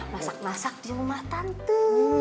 masak masak di rumah tantu